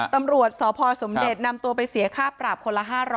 ตำรวจสพสมเด็จนำตัวไปเสียค่าปรับคนละ๕๐๐